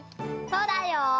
そうだよ。